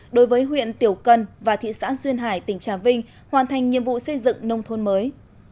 đối với huyện tiểu cần và thị xã duyên hải tỉnh trà vinh hoàn thành nhiệm vụ xây dựng nông thôn mới